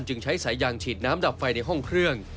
ใช้สายยางฉีดน้ำดับไฟในห้องเครื่อง